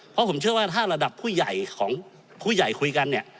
เพราะผมเชื่อว่าถ้าระดับผู้ใหญ่ของผู้ใหญ่คุยกันเนี่ย